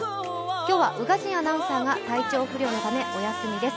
今日は宇賀神アナウンサーが体調不良のためお休みです。